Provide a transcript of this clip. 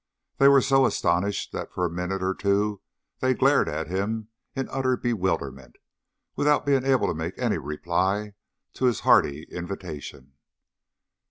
They were so astonished that for a minute or two they glared at him in utter bewilderment without being able to make any reply to his hearty invitation.